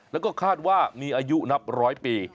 แล้วก็คาดว่ามีอายุนับร้อยปี